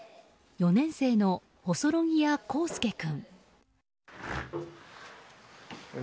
４年生の細呂木谷康助君。